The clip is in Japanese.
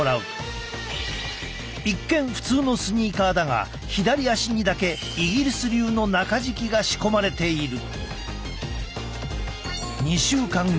一見普通のスニーカーだが左足にだけイギリス流の中敷きが仕込まれている。